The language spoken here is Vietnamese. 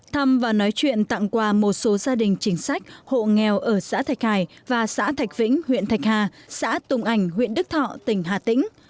thăm và nói chuyện tặng quà một số gia đình chính sách hộ nghèo ở xã thạch hải và xã thạch vĩnh huyện thạch hà xã tùng ảnh huyện đức thọ tỉnh hà tĩnh